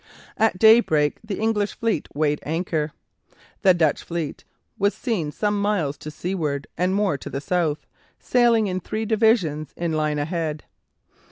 At daybreak the English fleet weighed anchor. The Dutch fleet was seen some miles to seaward and more to the south, sailing in three divisions in line ahead.